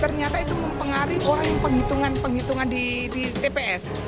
ternyata itu mempengaruhi orang penghitungan penghitungan di tps